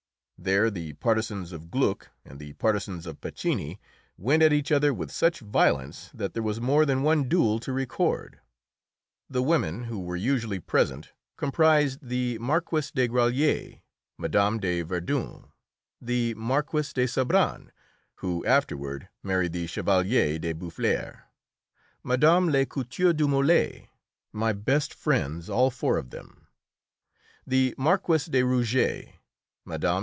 There the partisans of Gluck and the partisans of Piccini went at each other with such violence that there was more than one duel to record. The women who were usually present comprised the Marquise de Grollier, Mme. de Verdun, the Marquise de Sabran, who afterward married the Chevalier de Boufflers, Mme. le Couteux du Molay my best friends, all four of them the Marquise de Rougé, Mme.